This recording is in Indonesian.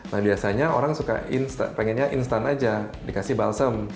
nah biasanya orang suka pengennya instan aja dikasih balsem